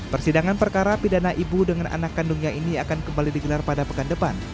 persidangan perkara pidana ibu dengan anak kandungnya ini akan kembali digelar pada pekan depan